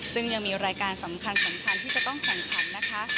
ซึ่งยังมีรายการสำคัญที่จะต้องแข่งขันนะคะ